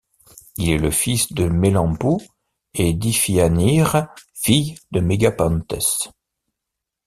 Il est le fils de Mélampous et d’Iphianire, fille de Mégapenthès.